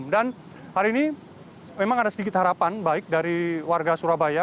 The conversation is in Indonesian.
dan hari ini memang ada sedikit harapan baik dari warga surabaya